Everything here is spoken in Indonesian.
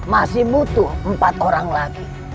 masih butuh empat orang lagi